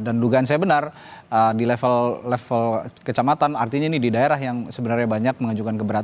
dan dugaan saya benar di level kecamatan artinya ini di daerah yang sebenarnya banyak mengajukan keberatan